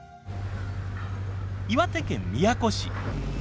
岩手県宮古市。